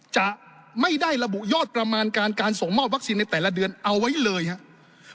จะไม่ได้ระบุยอดประมาณการการส่งมอบวัคซีนในแต่ละเดือนเอาไว้เลยครับ